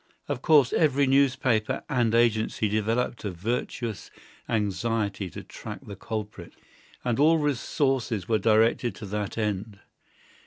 Of course every newspaper and agency developed a virtuous anxiety to track the culprit, and all resources were directed to that end.